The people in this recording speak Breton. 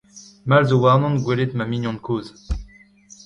Mall zo warnon gwelet ma mignon kozh.